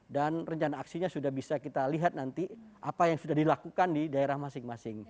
dan rencana aksinya sudah bisa kita lihat nanti apa yang sudah dilakukan di daerah masing masing